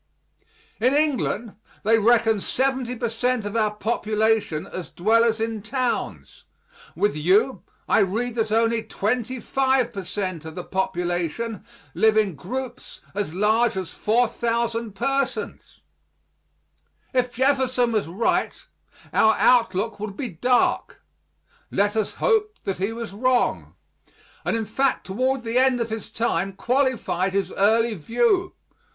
In England they reckon 70 per cent. of our population as dwellers in towns. With you, I read that only 25 per cent. of the population live in groups so large as 4,000 persons. If Jefferson was right our outlook would be dark. Let us hope that he was wrong, and in fact toward the end of his time qualified his early view.